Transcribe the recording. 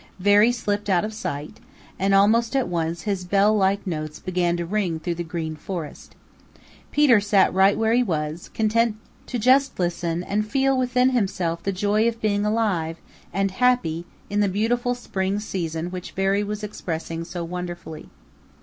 Veery slipped out of sight, and almost at once his bell like notes began to ring through the Green Forest. Peter sat right where he was, content to just listen and feel within himself the joy of being alive and happy in the beautiful spring season which Veery was expressing so wonderfully.